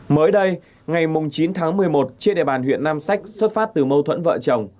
mới đây ngày chín tháng một mươi một trên địa bàn huyện nam sách xuất phát từ mâu thuẫn vợ chồng